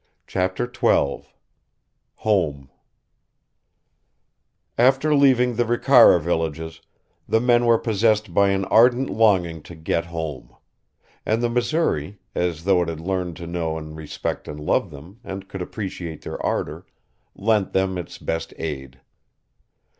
CHAPTER XII HOME After leaving the Ricara villages, the men were possessed by an ardent longing to get home; and the Missouri, as though it had learned to know and respect and love them, and could appreciate their ardor, lent them its best aid.